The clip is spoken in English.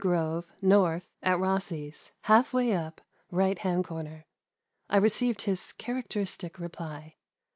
Grove, North, at Rossi's, halfway up, right hand corner." I received his characteristic reply.